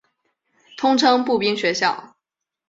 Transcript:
通称步兵学校。